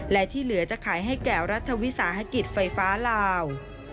และที่เหลือจะขายให้แก่รัฐวิสาหกิจไฟฟ้าลาว